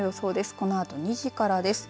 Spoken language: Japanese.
このあと２時からです。